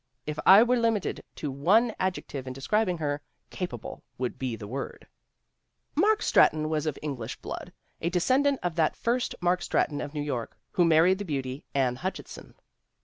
If I were limited to one ad jective in describing her, "capable" would be the word/ " Mark Stratton was of English blood, a descendant of that first Mark Stratton of New York, who married the beauty, Anne Hutchinson.